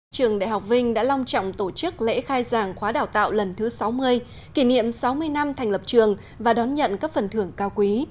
trường đại học vinh đã long trọng tổ chức lễ khai giảng khóa đào tạo lần thứ sáu mươi kỷ niệm sáu mươi năm thành lập trường và đón nhận các phần thưởng cao quý